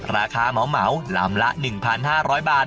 เหมาลำละ๑๕๐๐บาท